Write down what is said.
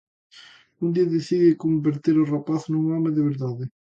Un día decide converter o rapaz nun home de verdade.